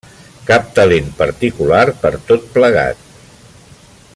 Cap talent particular per tot plegat.